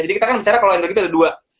jadi kita kan bicara kalau energi itu ada dua